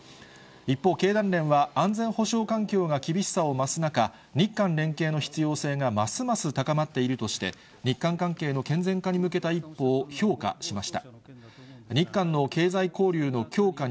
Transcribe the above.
一方、経団連は安全保障環境が厳しさを増す中、日韓連携の必要性がますます高まっているとして、日韓関係の健全化に向けた一歩を評価しました。